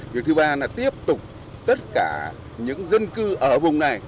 việc thứ ba là tiếp tục tất cả những dân cư ở vùng này